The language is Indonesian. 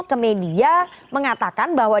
ke media mengatakan bahwa